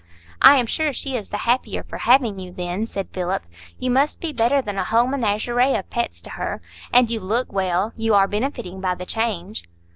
"I am sure she is the happier for having you, then," said Philip. "You must be better than a whole menagerie of pets to her. And you look well. You are benefiting by the change."